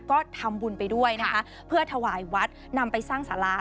ก็ทำบุญไปด้วยนะคะเพื่อถวายวัดนำไปสร้างสารา